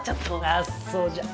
ああそうじゃあ